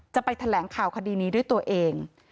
จะไปแถลงข่าวคดีนี้ด้วยตัวเอง